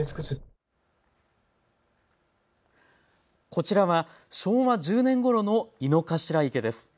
こちらは昭和１０年ごろの井の頭池です。